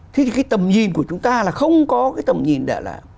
thế thì cái tầm nhìn của chúng ta là không có cái tầm nhìn để là